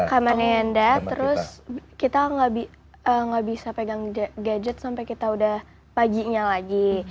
kamarnya ada terus kita nggak bisa pegang gadget sampai kita udah paginya lagi